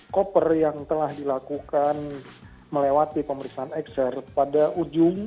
tiga puluh koper yang telah dilakukan melewati pemeriksaan x ray pada ujung